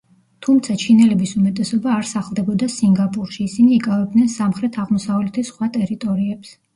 თუმცა, ჩინელების უმეტესობა არ სახლდებოდა სინგაპურში, ისინი იკავებდნენ სამხრეთ-აღმოსავლეთის სხვა ტერიტორიებს.